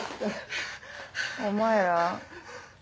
お前ら。